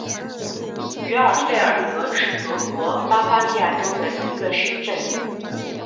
于尔费尔德是德国巴伐利亚州的一个市镇。